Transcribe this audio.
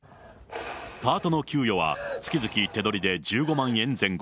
パートの給与は月々手取りで１５万円前後。